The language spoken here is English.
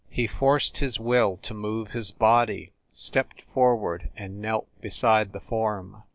He forced his will to move his body, stepped for ward and knelt beside the form.